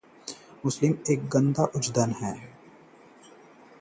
जल में उदजन व जारक होते है।